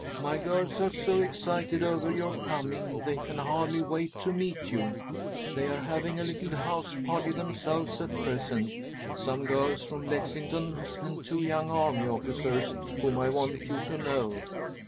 "My girls are so excited over your coming they can hardly wait to meet you. They are having a little house party themselves, at present, some girls from Lexington and two young army officers, whom I want you to know.